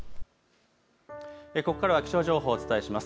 ここからは気象情報をお伝えします。